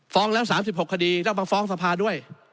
ฟ้องแล้วสามสิบหกคดีต้องมาฟ้องสภาด้วย